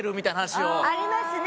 ありますね！